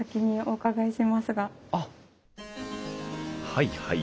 はいはい。